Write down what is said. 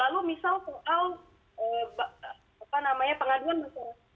lalu misal soal pengaduan masyarakat